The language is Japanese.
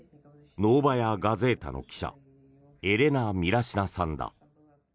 ノーバヤ・ガゼータの記者エレナ・ミラシナさんだ。